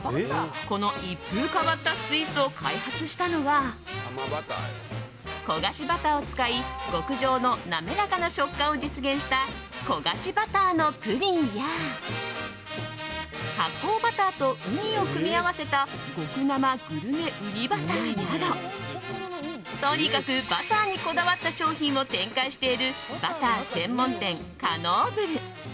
この一風変わったスイーツを開発したのは焦がしバターを使い極上の滑らかな食感を実現した焦がしバターのプリンや発酵バターとウニを組み合わせた極生グルメうにバター！などとにかくバターにこだわった商品を展開しているバター専門店、カノーブル。